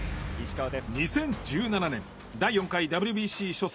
２０１７年第４回ＷＢＣ初戦。